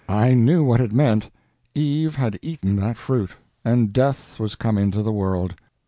I knew what it meant Eve had eaten that fruit, and death was come into the world.